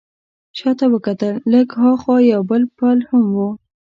شا ته وکتل، لږ ها خوا یو بل پل هم و.